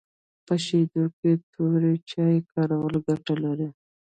په شیدو کي توري چای کارول ګټه لري